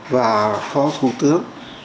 và phó thủ tướng